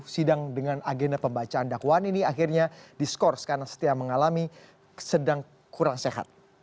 sidang dengan agenda pembacaan dakwaan ini akhirnya diskors karena setia mengalami sedang kurang sehat